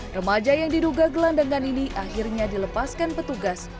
remaja yang diduga gelandangan ini akhirnya dilepaskan petugas